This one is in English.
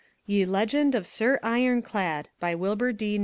YE LEGEND OF SIR YRONCLADDE BY WILBUR D.